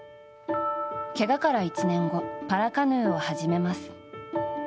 けがから１年後パラカヌーを始めます。